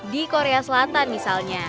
di korea selatan misalnya